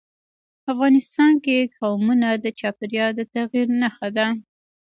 افغانستان کې قومونه د چاپېریال د تغیر نښه ده.